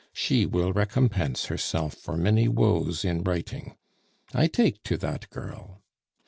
She will recompense herself for many woes in writing. I take to that girl.